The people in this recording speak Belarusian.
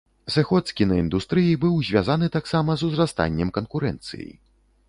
Сыход з кінаіндустрыі быў звязаны таксама з узрастаннем канкурэнцыі.